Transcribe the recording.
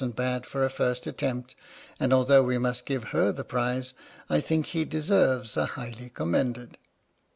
"PINAFORE" wasn't bad for a first attempt, and although we must give her the prize, I think he deserves a " highly commended."